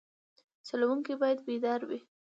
چلوونکی باید بیدار وي.